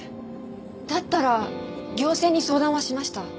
だったら行政に相談はしました？